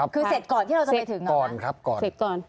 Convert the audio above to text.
คือเสร็จก่อน๓๒๓๔๓๔